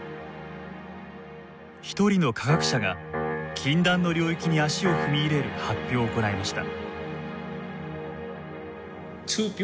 一人の科学者が禁断の領域に足を踏み入れる発表を行いました。